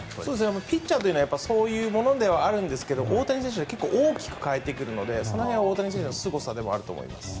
ピッチャーはそういうものではあるんですが大谷選手は結構、大きく変えてくるのでその辺は大谷選手のすごさでもあると。